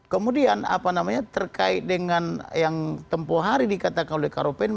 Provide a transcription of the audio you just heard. kemudian apa namanya terkait dengan yang tempoh hari dikatakan oleh karopen